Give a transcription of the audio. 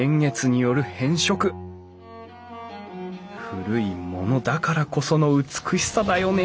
古いものだからこその美しさだよね